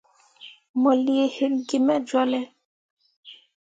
Mo lii hikki gi me jolle.